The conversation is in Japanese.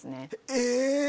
え！